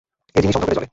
এ জিনিস অন্ধকারে জ্বলে।